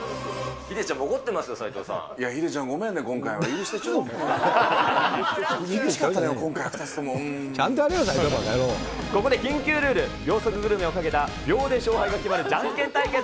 ヒデちゃんも怒ってますよ、いや、ヒデちゃん、ごめんね、ここで緊急ルール、秒速グルメをかけた秒で勝敗が決まるじゃんけん対決。